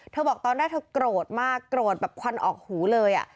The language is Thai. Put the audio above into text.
บอกตอนแรกเธอโกรธมากโกรธแบบควันออกหูเลย